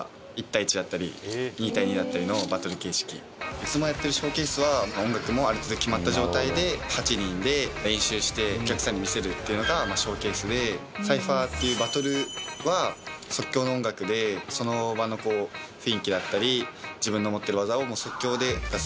いつもやってるショーケースは音楽もある程度決まった状態で８人で練習してお客さんに見せるっていうのがショーケースでサイファーっていうバトルは即興の音楽でその場の雰囲気だったり自分の持ってる技を即興で出す。